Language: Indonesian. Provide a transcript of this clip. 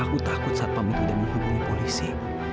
aku takut saat pamit dan menghubungi polisi